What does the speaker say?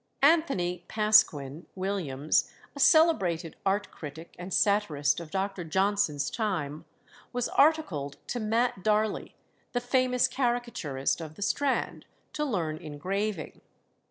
Anthony Pasquin (Williams), a celebrated art critic and satirist of Dr. Johnson's time, was articled to Matt Darley, the famous caricaturist of the Strand, to learn engraving.